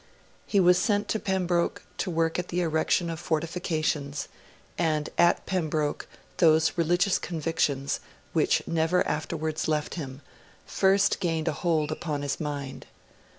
He was sent to Pembroke, to work at the erection of fortifications; and at Pembroke those religious convictions, which never afterwards left him, first gained a hold upon his mind.